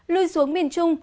lui xuống miền trung